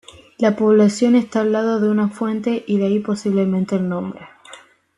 La población está al lado de una fuente y de ahí posiblemente el nombre.